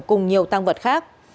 cùng nhiều tăng vật khác